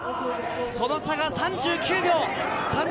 その差は３９秒。